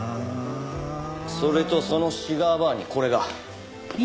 それとそのシガーバーにこれが。